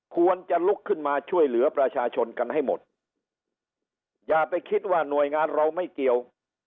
ควรจะลุกขึ้นมาช่วยเหลือประชาชนกันให้หมดอย่าไปคิดว่าหน่วยงานเราไม่เกี่ยว